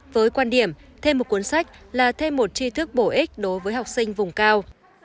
với quan điểm thêm một cuốn sách là thêm một tri thức bổ ích đối với học sinh vùng cao